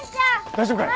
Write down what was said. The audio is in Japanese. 大丈夫かい？